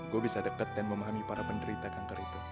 gue bisa dekat dan memahami para penderita kanker itu